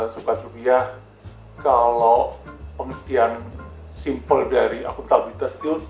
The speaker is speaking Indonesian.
sobat rupiah kalau pengertian simpel dari akuntabilitas itu